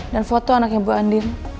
dan foto anaknya bu andi